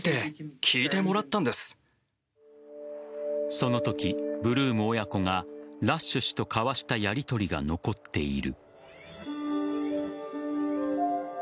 そのとき、ブルーム親子がラッシュ氏と交わしたやりとりが残っている。